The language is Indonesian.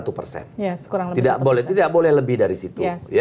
tidak boleh lebih dari situ